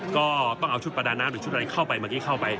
ก็ต้องเอาชุดประดาน้ำหรือชุดอะไรเข้าไปเมื่อกี้เข้าไป